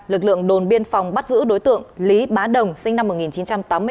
lực lượng đồn biên phòng bắt giữ đối tượng lý bá đồng sinh năm một nghìn chín trăm tám mươi bốn